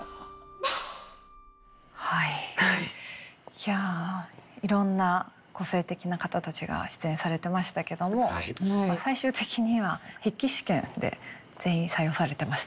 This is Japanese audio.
いやいろんな個性的な方たちが出演されてましたけども最終的には筆記試験で全員採用されてましたね。